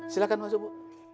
silahkan masuk bu